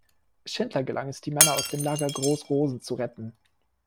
Schindler gelang es, die Männer aus dem Lager Groß-Rosen zu retten.